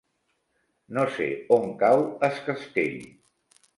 No sé on cau Es Castell.